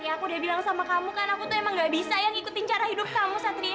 aku udah bilang sama kamu kan aku tuh emang gak bisa ya ngikutin cara hidup kamu saat ini